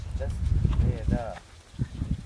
دەستم لێ دا.